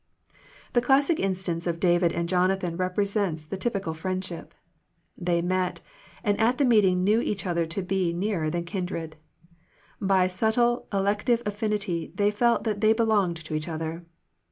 The classic instance of David and Jona than represents the typical friendship. They met, and at the meeting knew each other to be nearer than kindred. By subtle elective affinity they felt that they belonged to each other.